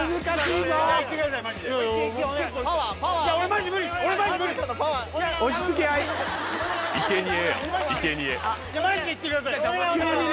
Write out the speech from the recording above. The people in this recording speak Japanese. マジで行ってください！